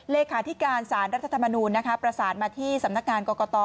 เลขาธิการสารรัฐธรรมนูญประสานมาที่สำนักงานกรกต